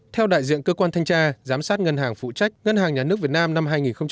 theo đại diện cơ quan thanh tra giám sát ngân hàng phụ trách ngân hàng nhà nước việt nam năm hai nghìn một mươi tám